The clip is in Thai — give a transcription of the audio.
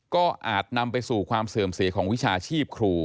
ก็อาจนำไปสู่ความเสื่อมเสียของวิชาชีพครู